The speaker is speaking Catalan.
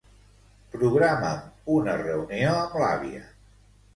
Programa'm una reunió amb l'àvia.